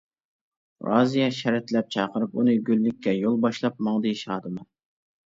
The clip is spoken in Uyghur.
رازىيە شەرەتلەپ چاقىرىپ ئۇنى، گۈللۈككە يول باشلاپ ماڭدى شادىمان.